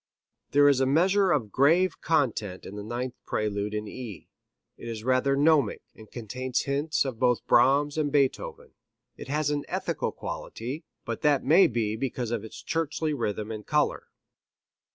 There is a measure of grave content in the ninth prelude in E. It is rather gnomic, and contains hints of both Brahms and Beethoven. It has an ethical quality, but that may be because of its churchly rhythm and color.